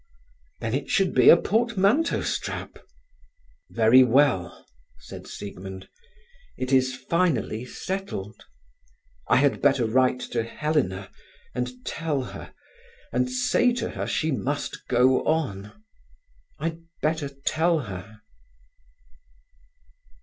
Then it should be a portmanteau strap! "Very well!" said Siegmund, "it is finally settled. I had better write to Helena, and tell her, and say to her she must go on. I'd better tell her."